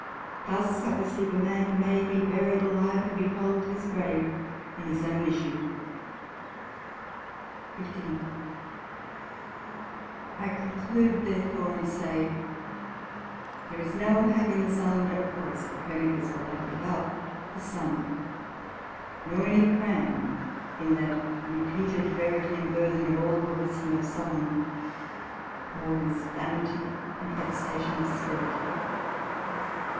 Thus I perceive a man may be buried alive, and behold his grave in his own issue. SECT.15 I conclude therefore and say, there is no happiness under (or as Copernicus will have it, above) the Sun, nor any Crambe in that repeated verity and burthen of all the wisdom of Solomon, All is vanity and vexation of Spirit.